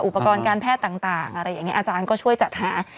อุปกรณ์การแพทย์ต่างอะไรอย่างนี้อาจารย์ก็ช่วยจัดหา